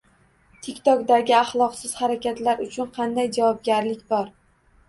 TikTok'dagi axloqsiz harakatlar uchun qanday javobgarlik bor?